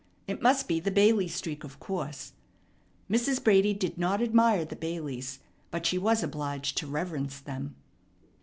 It must be the Bailey streak, of course. Mrs. Brady did not admire the Baileys, but she was obliged to reverence them.